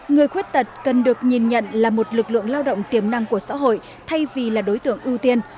người khuyết tật cần được nhìn nhận là một lực lượng lao động tiềm năng của xã hội thay vì là đối tượng ưu tiên